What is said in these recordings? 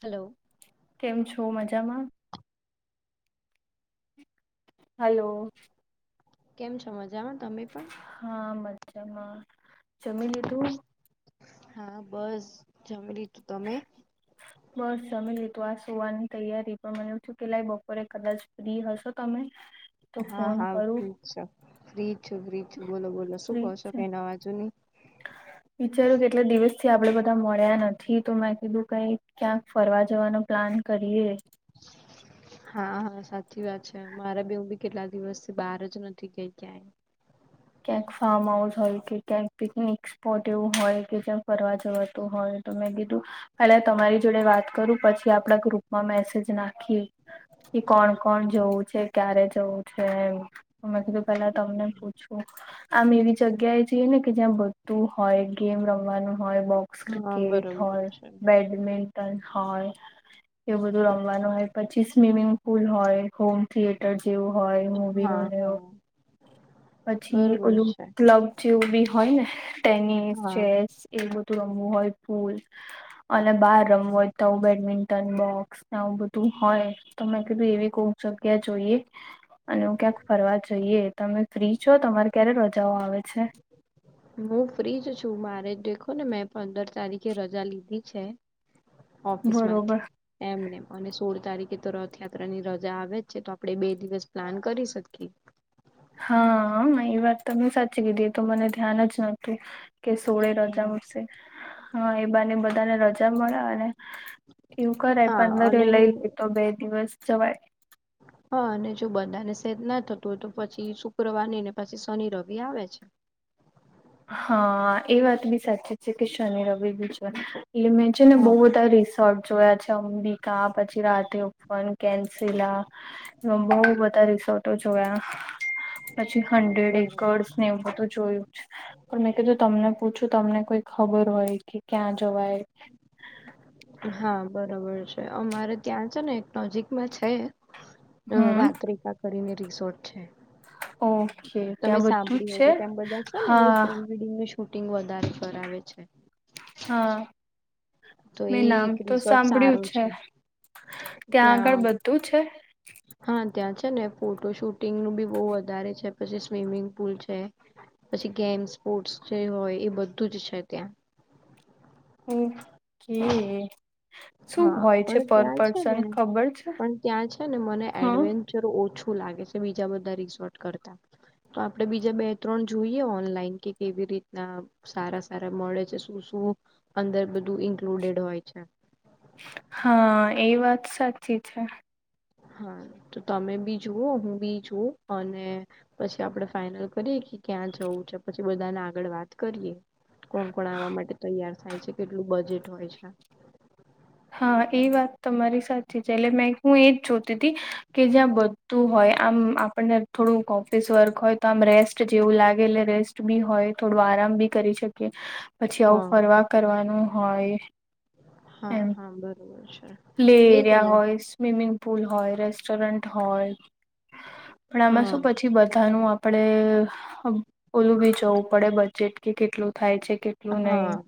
Hello કેમ છો મજામાં? હલો કેમ છો મજામાં તમે પણ? હા મજામાં. જમી લીધું? હા બસ જમી લીધું તમે? બસ જમી લીધું આ સુવાની તૈયારી પણ મને એવું થયું કે લાય બપોરે કદાચ ફ્રી હશો તમે? તો ફોન કરું. ફ્રીજ છું, ફ્રીજ છું બોલો બોલો શું કો છો કાઈ નવા જુની? હા [inaudible] વિચારુ કેટલા દિવસથી આપણે બધા મળ્યા નથી તો મેં કીધું કઈ ક્યાંક ફરવા જવાનો પ્લાન. કરીએ. હા હહ સાચી વાત છે. મારે બી હું બી કેટલા દિવસથી બાર જ નથી ગઈ ક્યાંય. ક્યાંક ફાર્મ હાઉસ હોય કે ક્યાંક પિકનિક પોટ એવું હોય કે જ્યાં ફરવા જવાતું હોય તો મેં કીધું પેલા તમારી જોડે વાત કરું પછી આપડા ગ્રુપમાં મેસેજ નાખ ખી કે કોણ કોણ જવું છે. ક્યારે જવું છે. મેં કીધું પેલા તમને પૂ છું આમ એવી જગ્યાએ જઈએ ને કે જ્યાં બધું હોય ગેમ રમવાનું હોય બો ક્સ હા ક્રિકેટ બરોબર હોય છે બેડ મિન્ટન હોય, એવું બધું રમવાનું હોય પછી સ્વિમિંગ પુલ હોય, હોમ થિયેટર જેવું હોય મુવીનો હા ને એવો હા પછી બરોબર ઓલુ છે ક્લબ જેવું બી હોય ને ટેનિસ, હા ચેસ એ બધું રમવું હોય પૂલ અને બાર રમવું હોય તો બેડમિન્ટન બોક્સ ને આવું બધું હોય તો મેં કીધું એવી કોક જગ્યા જોઈએ. અને ઓમ ક્યાંક ફરવા જઈએ તમે ફ્રી છો? તમારે ક્યારે રજાઓ આવે છે? હું ફ્રીજ છું, મારે દેખો ને મેં પંદર તારીખે રજા લીધી છે. બરોબર ઓફિસમાંથી એમને અને સોળ તારીખે તો રથયાત્રાની રજા આવે જ છે તો આપણેે બે દિવસ પ્લાન કરી શકીએ. હહ એ વાત તમેં સાચી કીધી એતો મને ધ્યાન જ નતું. કે સોળે હા રજા મૂકશે. હહ એ બાને બધાને રજા મળે અને એવું કરાય હા પંદરે અને લઈ લે તો બે દિવસ જવાય. હહ અને જો બધાને શેટ ના થતું હોય તો પછી શુક્રવાર નઈ ને પછી શનિ રવિ આવે છે. હા એ વાત બી સાચી છે કે શનિ રવિ બી છે એ મેં છે ને બહુ હા બધાં રિસોર્ટ જોયા છે. અંબિકા પછી રાધે ઉપવન, કેન્સીલા આમ બહુ બધા રિસોર્ટો જોયા. પછી હંડ્રેડ બરોબર. એકર્સને એવું બધું જોયું છ પણ મેં કીધું તમને પૂછું તમને કોઈ ખબર હોય કે ક્યાં જવાય. હા બરોબર છે. અમારે ત્યાં છે ને એક નજીકમાં છે. અ હમ વાતરેખા કરીને રિસોર્ટ છે. ઓકે તમે ત્યાં બધું સાંભળ્યું જ હો છે તો ત્યાં બધા છે ને બધું હા પ્રી-વેડિંગની શૂટિંગ વધારે કરાવે છે. હા તો એ મેં નામ એક તો રિસોર્ટ સાંભળ્યું સારું છે. ત્યાં આગળ બધું છે? હા, ત્યાં છે ને ફોટો શૂટિંગનું બી બો વધારે છે, પછી સ્વિમિંગ પુલ છે. પછી ગેમ સ્પોર્ટ્સ જે હોય એ બધું જ છે ત્યાં. ઓકે. શું હા, હોય છે પણ પર ત્યાં છે ને પર્સન ખબર છે પણ ત્યાં છે ને મને હ એડવેન્ વેન્ચર ઓછું લાગે છે બીજા બધા રિસોર્ટ કરતા. તો આપડે બીજા બે ત્રણ જોઈએ ઓનલાઈન કે કેવી રીતના સારા સારા મળે છે, શું શું અંદર બધું ઇન્કલુડેડ હોય છે. હા, એ વાત સાચી છે. હા, તો તમે બી જુઓ હું બી જોવ અને પછી આપડે ફાઈનલ કરીએ કે ક્યાં જવું છે પછી બધાને આગળ વાત કરીએ. કોણ કોણ આવા માટે તૈયાર થાય છે, કેટલું બજેટ હોય છે. હા, એ વાત તમારી સાચી છે, એટલે મેં હું એજ જોતી તી કે જ્યાં બધું હોય, આમ આપણને થોડુંક ઓફિસ વર્ક હોય તો આમ રેસ્ટ જેવું લાગે એટલે રેસ્ટ ટ બી હોય, થોડું આરામ બી કરી શકીએ, પછી આવું હા ફરવા કરવાનું હોય હા, એમ હા, બરોબર છે. પ્લે એજ એરિયા ને હોય, સ્વિમિંગ પુલ હોય, રેસ્ટોરન્ટ હોય. પણ આમાં હા શું પછી બધાનું આપડે હ ઓલું બી જોવું પડે બજેટ કે કેટલું થાય છે કે હા,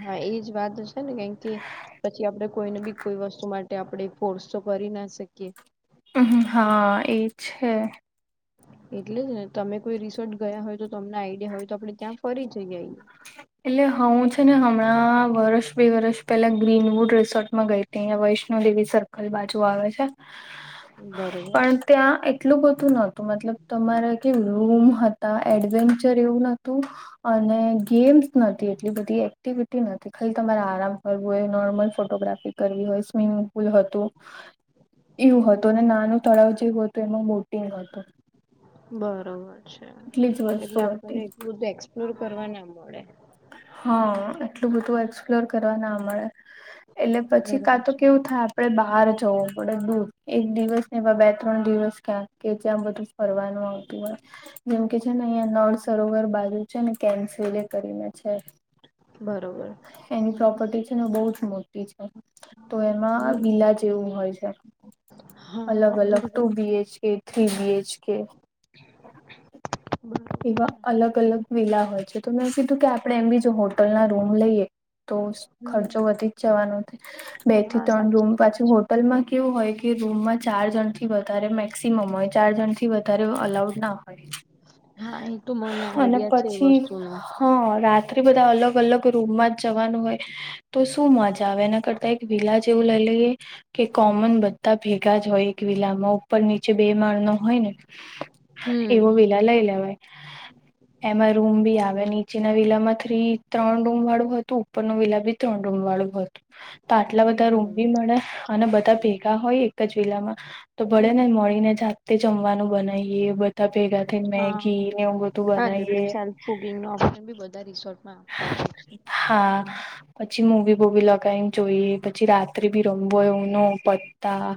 હા, એજ વાત છે ને કેમકે પછી આપડે કોઈને બી કોઈ વસ્તુ માટે આપડે ફોર્સ તો કરી ના શકીએ. હમ્મ, હા એ છે. એટલેજ ને તમે કોઈ રિસોર્ટ ગયા હોય તો તમને આઈડિયા હોય તો આપડે ત્યાં ફરી જઈ આઈ. એટલે હું છે, ને હમણાં વર્ષ બે વર્ષ પેલા ગ્રીનવુડ રિસોર્ટમાં ગઈ અહિયાં વૈષ્ણોદેવી સર્કલ બાજુ આવે છે. બરોબર પણ ત્યાં એટલું બધું નતું, મતલબ તમારે કે રૂમ હતા, એડવેન્ચર એવું નતું અને ગેમ્સ નથી એટલી બધી, એક્ટિવિટી નથી. ખાલી તમારે આરામ કરવું હોય, નોર્મલ ફોટોગ્રાફી કરવી હોય, સ્વિમિંગ પુલ હતું એવું હતું અને નાનું તળાવ જેવું હતું, એમાં મોટિંગ હતું. બરોબર છે, એટલી જ એટલે વસ્તુ આપણને હતી એટલું બધું એક્સપ્લોર કરવા ના મળે. હા, એટલું બધું એક્સપ્લોર કરવા ના મળે એટલે પછી બરોબર કાતો છે કેવું થાય આપડે બહાર જવું પડે દૂર એક દિવસ ને એમાં બે ત્રણ દિવસ ક્યાંક કે જ્યાં બધું ફરવાનું આવતું હોય. જેમકે છે ને અહિયા નળ સરોવર બાજુ છે, ને કેન્સેલે કરીને છે. બરોબર. એની પ્રોપર્ટી છે ને બોજ મોટી છે. તો એમાં હમ વિલા જેવું હોય છે. હા અલગ હા અલગ ટુ બરોબર B H K, three B H કે, [inaudible] બરોબર એવા છે અલગ અલગ વીલા હોય છે, તો મેં કીધું કે આપડે એમ બી જો હોટલ ના રૂમ લઈએ, તો હમ ખર્ચો વધીજ જવાનો બે થી હા ત્રણ સાચી રૂમ જ વાત પાછી છે હોટલમાં એવું હોય કે રૂમમાં ચાર જણ થી વધારે મેક્સિમમ હોય. ચાર જણથી વધારે અલાઉડ ના હોય. હા, એ તો મને અને આઈડિયા છે, એ પછી વસ્તુનો હા, રાત્રે બધા અલગ અલગ રૂમમાં જ જવાનું હોય. તો શું મજા આવે એના કરતા એક વિલા જેવું લઈ લઈએ. કે કોમન બધા ભેગા જ હોય એક વિલામાં, ઉપર નીચે બે માળનો હોય ને હમ એવો વિલા લઈ લેવાય. એમાં રૂમ બી હા આવે, નીચેના વિલામાં થ્રી ત્રણ રૂમ વાળું હતું, ઉપરનું વિલા બી ત્રણ રૂમ વાળું હતું. તો આટલા બધા રૂમ બરોબર બી મળે અને બધા ભેગા હોય એક જ વિલામાં. તો ભળે ને મળીને જાતેતે જમવાનું બનાવીએ બધા ભેગા થઈને હા મેગી ને એવું બધું હા તો તું બનાવીએ સેલ્ફ કુકિંગ નુ ઓપ્શન બી બધા રિસોર્ટમાં. આપતા હોય છે. હા પછી મૂવી બુવી લગાઈને જોઈ પછી રાત [unintelligible] તા,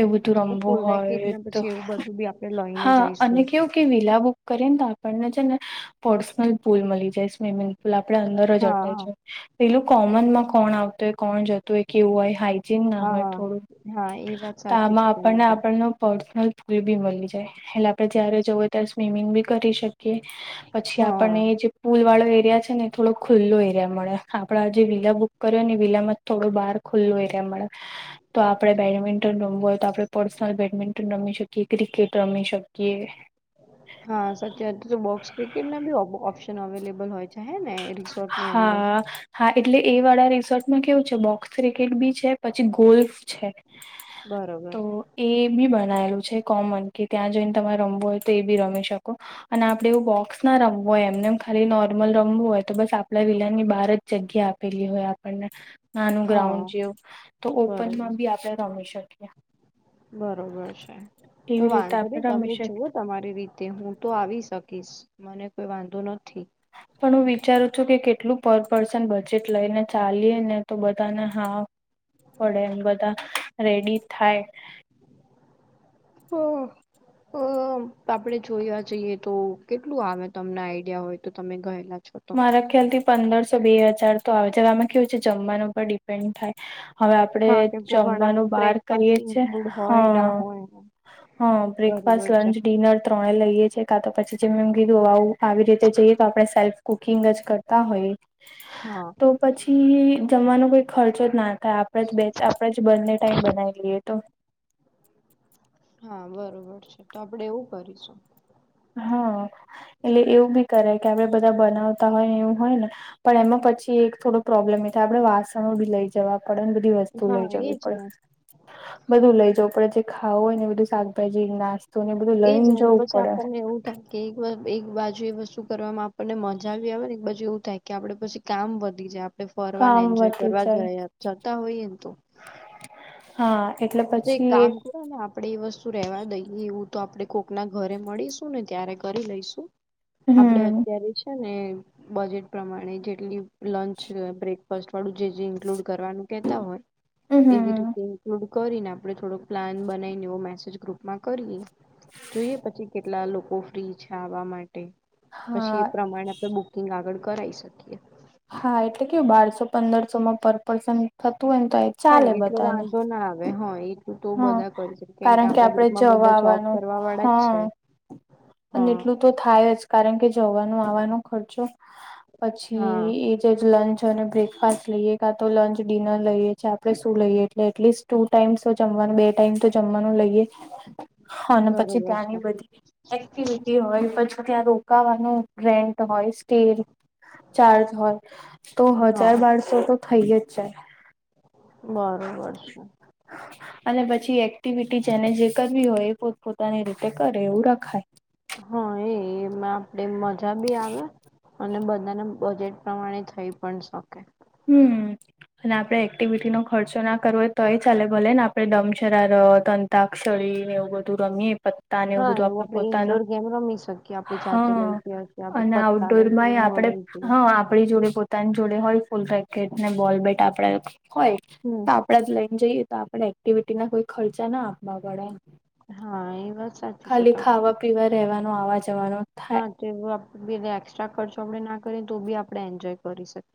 એ બધું એટલે રમવું ફૂલ રેકેટ હોય ને તો, પછી એવું બધું બી આપડે લઈને હા અને જઈશું. કેવું કે વિલા બુક કરીએને તો આપણને છે, ને પર્સનલ પુલ મળી જાય સ્વિમિંગ પેલા આપડે અંદર જ અપે હા છે, પેલું કોમન માં કોણ આવતું હોય કોણ જતું હોય કેવું હોય. હાઈજીન ના હોય હા થોડું, હા એ વાત તો સાચી આમાં છે આપણને તમારી. આપણનો પર્સનલ એ બી મળી જાય, એટલે આપડે જયારે જવું ત્યારે સ્વિમિંગ બી કરી શકીએ. કે પછી હા. આપણને જે પુલ વાળો એરિયા છે, ને એ થોડો ખુલ્લો એરિયા મળે. હ આપડે આજે વિલા બુક કર્યો ને વિલામાં જ થોડો બહાર ખુલ્લું એરીયા મળે. તો આપડે બેડમિન્ટન રમવું હોય તો આપડે પર્સનલ બેડમિન્ટન રમી શ કીએ, ક્રિકેટ રમી શકીએ. હા સત્ય તો બોક્સ ક્રિકેટના બી અમ ઓપ્શન અવેલેબલ હોય છે, હે ને રિસોર્ટની અંદર. હા હા એટલે એ વાળા રિસોર્ટમાં કેવું છે બોક્સ ક્રિકેટ બી છે પછી ગોલ્ફ છે, બરોબર. તો એ બી બનાયેલું છે, કોમન કે ત્યાં જોઈને તમારે રમવું હોય તો એ બી રમી શકો. અને આપડે એવું બોક્સ ના રમવું હોય એમને એમ ખાલી નોર્મલ રમવું હોય. તો બસ આપણા વિલા ની બહાર જ જગ્યા આપેલી હોય આપણને. નાનું હા ગ્રાઉન્ડ જેવું, તો બરોબર ઓપનમાં બી આપડે રમી શકીએ. બરોબર છે, તો એવી રીતે વાંધો આપણે નહી રમી તમે શકીએ જુઓ તમારી રીતે હું તો આવી શકીશ મને કોઈ વાંધો નથી. પણ હું વિચારું છું કે કેટલું પર પર્સન બજેટ લઈને ચાલીએ ને તો બધાને હા પડે એમ બધા, રેડી થાય. હમ્મ. હમ્મ આપડે જોવા જઈએ તો કેટલું આવે તમને આઈડિયા હોય તો તમે ગયેલા છો. તો મારા ખ્યાલ થી પંદરસો બે હજાર તો આવે છે આમાં કેવું છે જમવાનું પણ ડીપેન્ડ થાય, હવે આપણેે હા કેમ કે જમવાનું ઘણામાં બાર બ્રેકફાસ્ટ કરીએ છીએ ઇન્ક્લુડ હ. હોય ના હોય હા બ્રેકફાસ્ટ બરોબર છે લંચ ડિનર. ત્રણે લઈએ છીએ કા તો પછી જેમ એમ કીધું આવું આવી રીતે જઈએ તો આપણે સેલ્ફ કુકિંગ જ કરતા હોય, હા તો પછી જમવાનો કોઈ ખર્ચો જ ના થાય આપણે જ આપણે જ બંને ટાઈમ બનાવી લઈએ તો. હા બરોબર છે તો આપડે એવું કરીશું. હા, એટલે એવું બી કરે કે આપડે બધા બનાવતા હોય એવું હોય ને. પણ એમાં પછી એક થોડો પ્રોબ્લેમ એ થાય આપડણે વાસણો બી લઈ જવા પડે ને બધી વસ્તુ હા લઈ જવી એજ પડે. ને બધું લઇ જાઉં પડે જે ખાવું હોય ને એ બધું શાકભાજી નાસ્તા એ જ નહી તો પછી આપણને એવું થાય. કે એક એક બાજુ એ વસ્તુ કરવાવામાં આપણને મજા આવી આવે ને એક બાજુ એવું થાય કે આપડે પછી કામ વધી જાય. આપડે ફરવા કામ એન્જોય વધી કરવા જ જાય જતા હોય એને તો. હા એટલે તો પછી કામ એક કરો ને આપણેે એ વસ્તુ રેવા દઈએ એવું તો આપણે કોક ના ઘરે મળીશું ને ત્યારે કરી લઈશું. આપડે હમ અત્યારે છે ને બજેટ પ્રમાણે જેટલી લંચ બ્રેકફાસ્ટ વાળું જે જે ઇન્ક્લુડ કરવાનું કેહેતા હોય. એવી હમ રીતે થોડું કરી ને આપડે થોડોક પ્લાન બનાવીને એવો મેસેજ ગ્રુપમાં કરીએ. જોઈએ પછી કેટલા લોકો ફ્રી છે આવા માટે, પછી હા એ પ્રમાણે આપણે બુક આગળ કરાવી શકીએ. હા એટલે કેવું બારસો પંદરસો માં પર પર્સન થતું હોયને તો હા ચાલે એટલો બધાને વાંધો ના આવે હ. તો હા બધા કરી શકે કેમ કે કારણ આપડા આપડે ગ્રુપમાં જવા બધા જોબ આવવાનું કરવા વાળા જ છે. હા અને હા એટલું તો થાય જ કારણ કે જવાનું આવાનો ખર્ચો પછી હા એ જે લંચ અને બ્રેક ખાસ લઈએ કા તો લંચ ડિનર લઈએ છે આપણે શું લઈએ એટલે એટલીસ્ટ ટુ ટાઈમ્સ તો જમવાનું બે ટાઈમ તો જમવાનું લઈએ ને હ અને પછી બરોબર છે ત્યાંની બધી એક્ટિવિટી હોય પછી ત્યાં રોકાવાનું ગ્રેન્ટ હોય સ્ટીલ ચાર્જ હોય તો હા હજાર બારસો તો તો થઈ જાય બરોબર છે અને પછી એક્ટિવિટી જેને જે કરવી હોય એ પોત પોતાની રીતે કરે એવું રખાય હા એ એમાં આપડે મજા બી આવે અને બધાના બજેટ પ્રમાણે થઈ પણ શકે હમ્મ. અને આપડણે એક્ટિવિટી નો ખર્ચો ના કરવો હોય તોય ચાલે ભલે ને આપડણે દમ શરાર તંત્ર અંતાક્ષળી ને એઉ બધું રમીએ પતા એવું હા બધું આપણું આપડે પોતાનું ઈન્ડોર ગેમ રમી શકીએ આપડી જાતે હા લઈ ગયા છીએ આપડે અને પત્તા લઈ જઈએ આઉટડોરમાં ઉનો આપણેે લઈ જઈએ હા આપણી જોડે પોતાની જોડે હોય ફૂલ રેકેટ ને બોલ બેટ આપડે હોય હમ તો આપડા જ લઈને જઈએ તો આપણે એક્ટિવિટી ના કોઈ ખર્ચા ના આપવા પડે હા એ વાત સાચી છે તમારી રહેવા આવા જવાનું હા તે એક્સ્ટ્રા ખર્ચો આપડણે ના કરીએ તો બી આપણે એન્જોય કરી શકીએ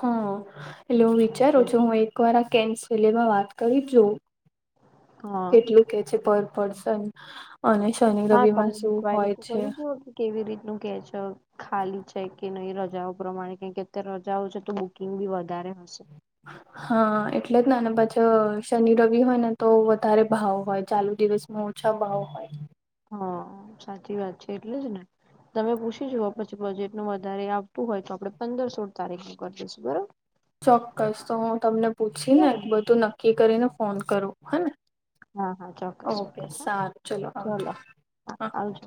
હા એટલે હું સાચે વિચારું છું છે. હું એ રા કેસલેમાં વાત કરી જો હા કેટલું છે. પર પર્સન અને શનિ હા રવિ તમે માં શું ઇન્ક્વાયરી હોય તો છે. કરી જુઓ કે કેવી રીતનું કે છે. ખાલી છે. કે નહી રજાઓ પ્રમાણે કે અત્યારે રજાઓ છે. તો બુકીગ બી વધારે હશે હા [unintelligible] હા એટલે જ પાછી શનિ રવિ હોય ને તો વધારે ભાવ હોય ચાલુ દિવસમાં ઓછા ભાવ હોય. હા સાચી વાત છે. એટલે જ ને તમે પૂછી જુઓ પછી બજેટનું વધારે આવતું હોય તો આપડે પંદર સોળ તારીખ નું કરી દઈશું બરોબર. ચોક્કસ તો હું તમને પૂછી ને એક હા બધું નક્કી કરીને ફોન કરું હેને હા ચોક્કસ ઓકે ચોક્કસ હા સારું ચાલો આવજો ચલો આવજો